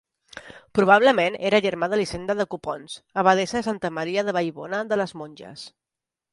Probablement era germà d'Elisenda de Copons, abadessa de Santa Maria de Vallbona de les Monges.